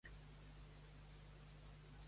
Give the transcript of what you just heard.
Gràcies per la lluita compartida.